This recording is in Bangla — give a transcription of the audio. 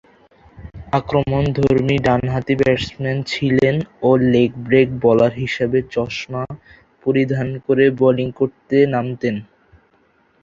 আক্রমণধর্মী ডানহাতি ব্যাটসম্যান ছিলেন ও লেগ ব্রেক বোলার হিসেবে চশমা পরিধান করে বোলিং করতে নামতেন।